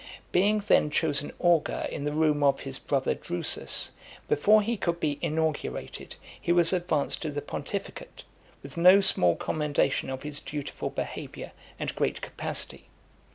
Being then chosen augur in the room of his brother Drusus, before he could be inaugurated he was advanced to the pontificate, with no small commendation of his dutiful behaviour, and great capacity.